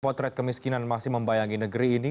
potret kemiskinan masih membayangi negeri ini